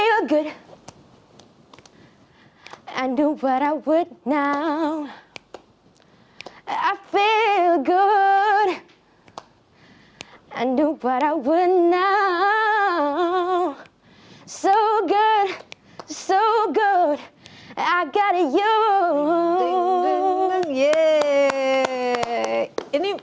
aku juga pengen nyanyi